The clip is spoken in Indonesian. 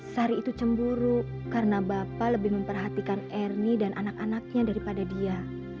sari itu cemburu karena bapak lebih memperhatikan ernie dan anak anaknya daripada dia